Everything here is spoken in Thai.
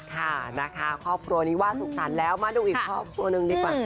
ค่ะนะคะครอบครัวนี้ว่าสุขสรรค์แล้วมาดูอีกครอบครัวหนึ่งดีกว่า